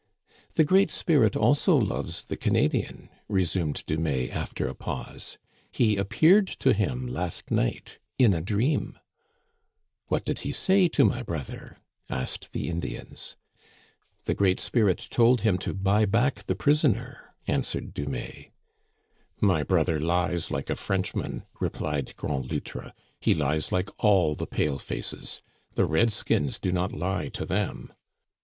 " The Great Spirit also loves the Canadian," resumed Dumais after a pause ;" he appeared to him last night in a dream." "What did he say to my brother?" asked the In dians. Digitized by VjOOQIC 1 84 THE CANADIANS OF OLD, " The Great Spirit told him to buy back the prison er," answered Dumais. " My brother lies like a Frenchman," replied Grand Loutre. '* He lies like all the pale faces. The red skins do not lie to them."